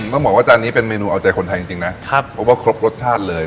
ต้องบอกว่าจานนี้เป็นเมนูเอาใจคนไทยจริงนะครับเพราะว่าครบรสชาติเลย